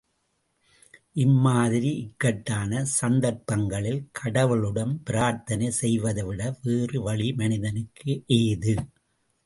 இம்மாதிரி இக்கட்டான சந்தர்ப்பங்களில் கடவுளிடம் பிரார்த்தனை செய்வதைவிட வேறு வழி மனிதனுக்கு ஏது?